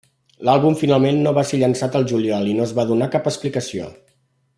L'àlbum finalment no va ser llançat al juliol i no es va donar cap explicació.